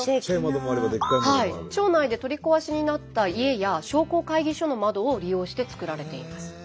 町内で取り壊しになった家や商工会議所の窓を利用して作られています。